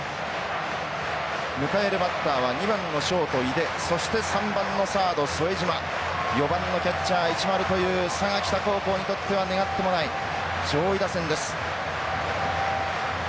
迎えるバッターは２番のショート井手そして３番のサード副島４番のキャッチャー市丸という佐賀北高校にとっては願ってもない上位打線です。